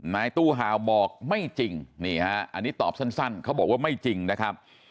นายตู้ฮาวบอกไม่จริงนี่ฮะอันนี้ตอบสั้นเขาบอกว่าไม่จริงนะครับ